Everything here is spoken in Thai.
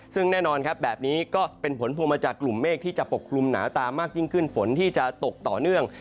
ซึ่งแน่นอนครับแบบนี้ก็เป็นผลพวงมาจากกลุ่มเมฆที่จะปกคลุมหนาตามากยิ่งขึ้นฝนที่จะตกต่อเนื่อง